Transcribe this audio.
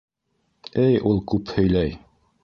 Эй ул күп һөйләй!